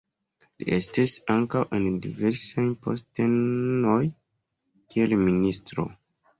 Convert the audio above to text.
Li estis ankaŭ en diversaj postenoj kiel ministro.